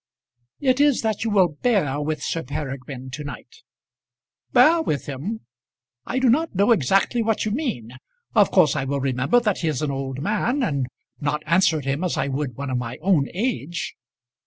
"It is that you will bear with Sir Peregrine to night." "Bear with him! I do not know exactly what you mean. Of course I will remember that he is an old man, and not answer him as I would one of my own age."